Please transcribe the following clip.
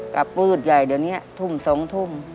มืดใหญ่เดี๋ยวนี้ทุ่ม๒ทุ่ม